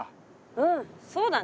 うんそうだね。